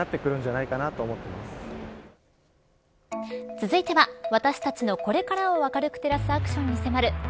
続いては、私たちのこれからを明るく照らすアクションに迫る＃